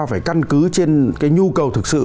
phải căn cứ trên cái nhu cầu thực sự